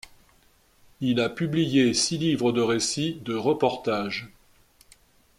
Il a publié six livres de récits de reportage.